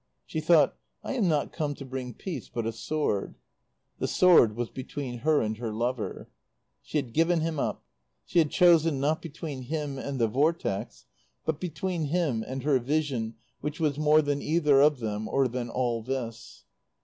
She thought, "'I am not come to bring peace, but a sword.'" The sword was between her and her lover. She had given him up. She had chosen, not between him and the Vortex, but between him and her vision which was more than either of them or than all this.